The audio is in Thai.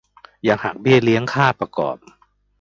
ยังหักเบี้ยเลี้ยงค่าประกอบ